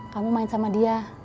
kamu main sama dia